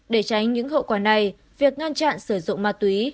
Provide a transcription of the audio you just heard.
để tránh những hậu quả này việc ngăn chặn sử dụng ma túy